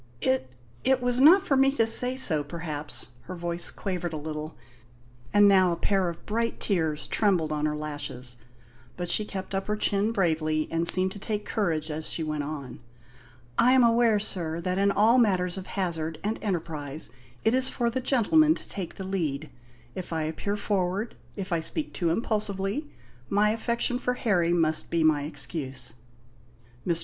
"It it was not for me to say so, perhaps." Her voice quavered a little, and now a pair of bright tears trembled on her lashes; but she kept up her chin bravely and seemed to take courage as she went on. "I am aware, sir, that in all matters of hazard and enterprise it is for the gentlemen to take the lead. If I appear forward if I speak too impulsively my affection for Harry must be my excuse." Mr.